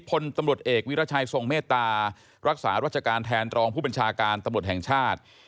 พลตำรวจเอกวิรัชัยทรงเมตตารักษารัชการแทนรองผู้บัญชาการตำรวจแห่งชาติ